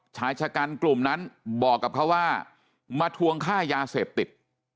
ชายชะกันกลุ่มนั้นบอกกับเขาว่ามาทวงค่ายาเสพติด